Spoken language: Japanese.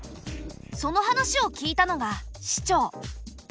その話を聞いたのが市長。